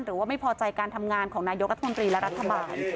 หรือว่าไม่พอใจการทำงานของนายกรัฐมนตรีและรัฐบาล